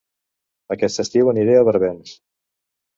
Aquest estiu aniré a Barbens